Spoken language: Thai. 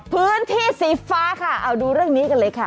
พื้นที่สีฟ้าค่ะเอาดูเรื่องนี้กันเลยค่ะ